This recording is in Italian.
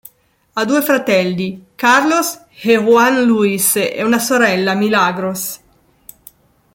Ha due fratelli: Carlos e Juan Luis e una sorella, Milagros.